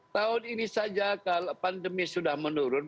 tahun ini saja kalau pandemi sudah menurun